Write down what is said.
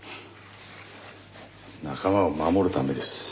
仲間を守るためです。